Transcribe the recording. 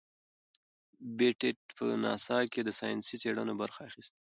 پېټټ په ناسا کې د ساینسي څیړنو برخه اخیستې.